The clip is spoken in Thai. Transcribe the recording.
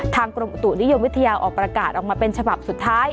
กรมอุตุนิยมวิทยาออกประกาศออกมาเป็นฉบับสุดท้าย